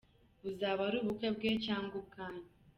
Buzaba ari ubukwe bwe cyangwa ubwanyu ?